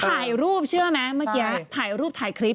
ถ่ายรูปเชื่อไหมเมื่อกี้ถ่ายรูปถ่ายคลิป